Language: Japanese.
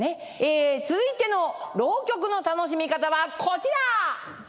続いての浪曲の楽しみ方はこちら！